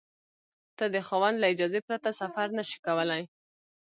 ته د خاوند له اجازې پرته سفر نشې کولای.